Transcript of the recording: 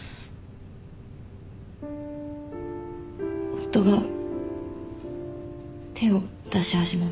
夫が手を出し始めました。